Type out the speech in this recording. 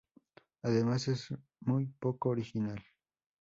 Además es muy poco original".